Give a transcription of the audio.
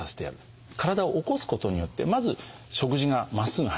体を起こすことによってまず食事がまっすぐ入りますね。